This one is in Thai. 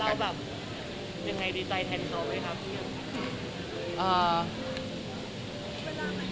ครับครับครับครับครับครับครับครับครับครับครับ